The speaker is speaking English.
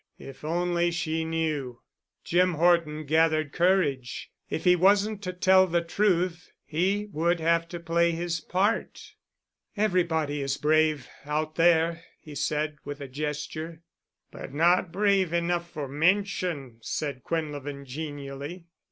If she only knew! Jim Horton gathered courage. If he wasn't to tell the truth he would have to play his part. "Everybody is brave—out there," he said, with a gesture. "But not brave enough for mention," said Quinlevin genially.